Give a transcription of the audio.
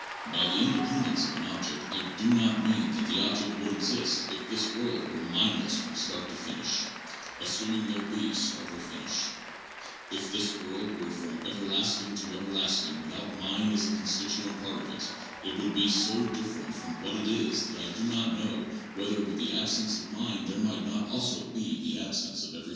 By the ' independence ' of an object I do not mean that the object would exist if this world were mindless from start to finish, assuming there be start or finish. If this world were from everlasting to everlasting without mind as a constituent part of it, it would be so different from what it is that I do not know whether PSYCHOLOGY AND SCIENTIFIC METHODS 451 But, of course, the opponent of realism will not let me off so easily.